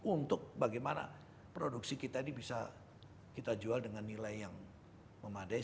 untuk bagaimana produksi kita ini bisa kita jual dengan nilai yang memadai